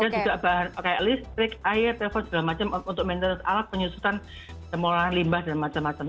dan juga bahan kayak listrik air tefal segala macam untuk maintenance alat penyusutan temulangan limbah dan macam macam